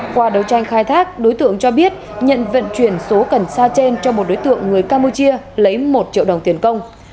qua đấu tranh khai thác đối tượng cho biết nhận vận chuyển số cần sa trên cho một đối tượng người campuchia lấy một triệu đồng tiền công